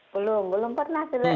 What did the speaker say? belum belum pernah